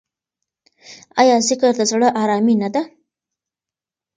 آیا ذکر د زړه ارامي نه ده؟